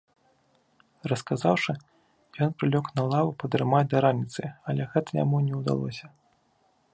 Расказаўшы, ён прылёг на лаву падрамаць да раніцы, але гэта яму не ўдалося.